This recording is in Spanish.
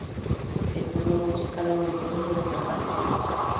El mundo musical lamentó su desaparición.